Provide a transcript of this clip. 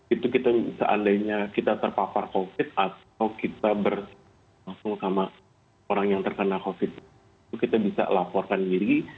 itu kita seandainya kita terpapar covid atau kita berlangsung sama orang yang terkena covid itu kita bisa laporkan diri